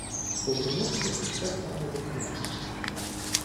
Повернувся під те саме вікно.